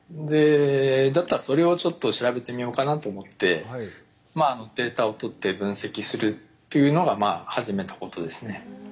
だったらそれをちょっと調べてみようかなと思ってデータをとって分析するっていうのが始めたことですね。